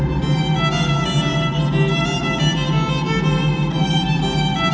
apakah mereka akan memilih telur yang kuat atau wortel yang lembek